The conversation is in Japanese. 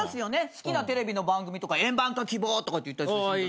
好きなテレビの番組とか円盤化希望！とか言ったり。